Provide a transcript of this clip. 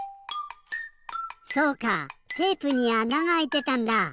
そうかテープにあながあいてたんだ！